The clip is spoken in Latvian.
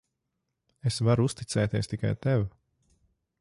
Es varu uzticēties tikai tev.